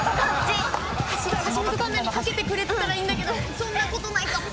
橋本環奈に掛けてくれてたらいいんだけどそんなことないかも。